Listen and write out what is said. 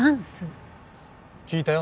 聞いたよ。